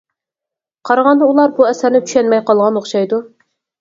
قارىغاندا، ئۇلار بۇ ئەسەرنى چۈشەنمەي قالغان ئوخشايدۇ.